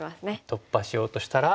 突破しようとしたら。